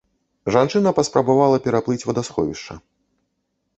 Жанчына паспрабавала пераплыць вадасховішча.